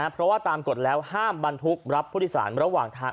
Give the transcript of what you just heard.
เพราะว่าตามกฎแล้วห้ามบรรทุกรับผู้โดยสารระหว่างทาง